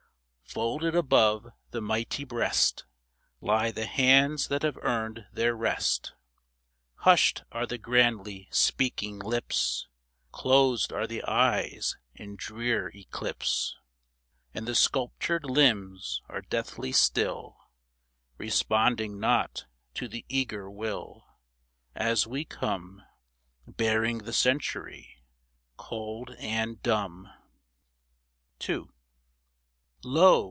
Folded above the mighty breast Lie the hands that have earned their rest ; Hushed are the grandly speaking lips ; Closed are the eyes in drear eclipse ; And the sculptured limbs are deathly still, Responding not to the eager will. As w^e come Bearing the Century, cold and dumb ! II. Lo